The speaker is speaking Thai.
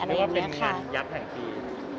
คือเป็นเหมือนยับแห่งปี